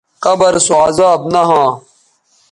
قبر سو عذاب نہ ھواں